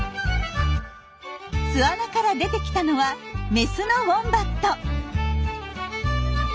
巣穴から出てきたのはメスのウォンバット。